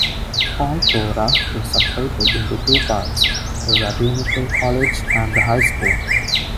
Kol Torah is separated into two parts, the rabbinical college and the high school.